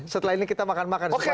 setelah ini kita makan makan sekarang